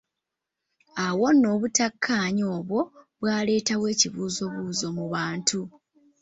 Awo nno obutakkaanya obwo bwaleetawo ekibuzoobuzo mu bantu.